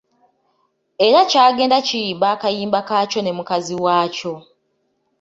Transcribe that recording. Era kya genda kiyimba akayimba kakyo ne mukazi waakyo.